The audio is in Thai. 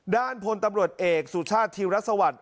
ด้านพลตำรวจเอกสุชาชฌีรัฐสวรรษ